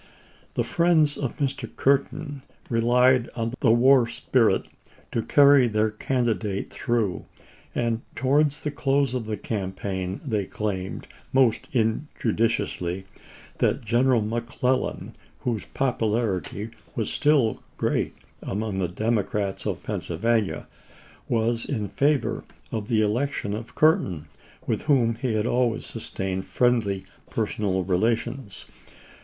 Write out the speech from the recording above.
The friends of Mr. Curtin relied on the war spirit to carry their candidate through, and to wards the close of the campaign they claimed, 1863. most injudiciously, that General McClellan, whose popularity was still great among the Democrats of Pennsylvania, was in favor of the election of Curtin, with whom he had always sustained friendly personal relations.